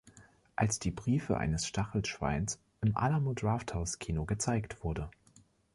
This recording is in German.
Als Die Briefe eines Stachelschweins im Alamo Drafthouse-Kino gezeigt wurde